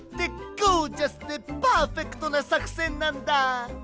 ゴージャスでパーフェクトなさくせんなんだ！